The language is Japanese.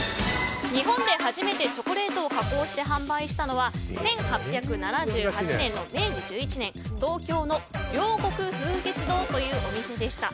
日本で初めてチョコレートを加工して販売したのは１８７８年の明治１１年東京の風月堂というお店でした。